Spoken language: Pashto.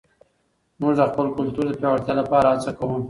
موږ د خپل کلتور د پیاوړتیا لپاره هڅه کوو.